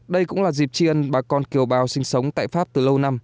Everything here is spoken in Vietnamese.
đây cũng là dịp tri ân bà con kiều bào sinh sống tại pháp từ lâu năm